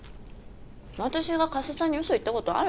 私が加瀬さんに嘘言ったことある？